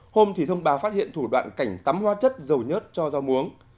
hôm thì thông báo phát hiện thủ đoạn cảnh tắm hoa chất dầu nhớt cho rau muống